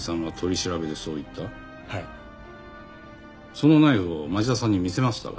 そのナイフを町田さんに見せましたか？